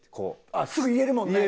あっすぐ言えるもんね。